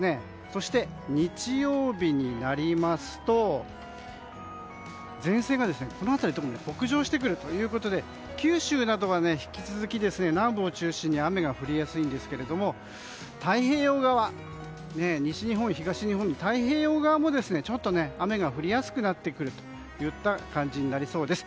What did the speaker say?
そして日曜日になりますと前線がこの辺り、特に北上してくるということで九州などは引き続き南部を中心に雨が降りやすいんですけれども西日本、東日本の太平洋側も雨が降りやすくなってくるといった感じになりそうです。